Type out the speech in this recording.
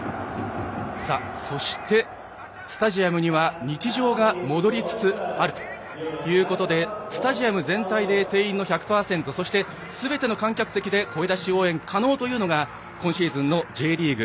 そして、スタジアムには日常が戻りつつあるということでスタジアム全体で定員の１００％そしてすべての観客席で声出し応援が可能というのが今シーズンのＪリーグ。